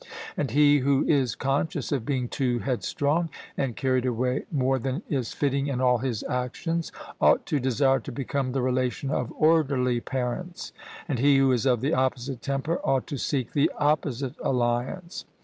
And he who is conscious of being too headstrong, and carried away more than is fitting in all his actions, ought to desire to become the relation of orderly parents; and he who is of the opposite temper ought to seek the opposite alliance.